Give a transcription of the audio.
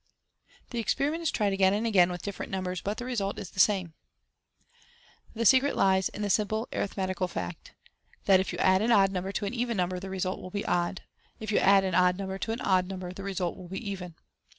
The experiment is tried again and again, with different numbers, but the result is the same. The secret lies in the simple arithmetical fact, that if you add an odd number to an even number the result will be odd ; if you add an odd number to an odd number the result will be even.